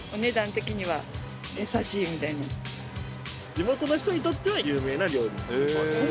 地元の人にとっては有名な料理。